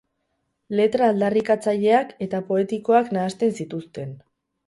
Letra aldarrikatzaileak eta poetikoak nahasten zituzten.